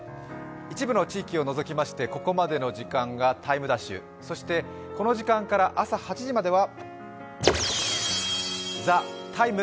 一部の地域を除きましてここまでの時間が「ＴＩＭＥ’」そして、この時間から朝８時までは「ＴＨＥＴＩＭＥ，」